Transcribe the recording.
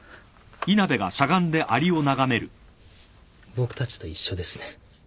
僕たちと一緒ですね。